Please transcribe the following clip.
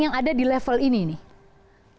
yang ada di level ini nih